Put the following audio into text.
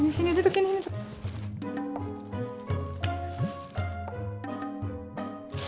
ini sini duduk